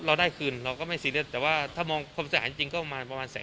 เราได้คืนเราก็ไม่แต่ว่าถ้ามองความสนิทจริงก็อันประมาณ